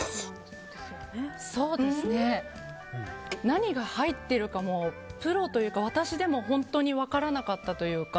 何が入っているかもプロというか、私でも本当に分からなかったというか。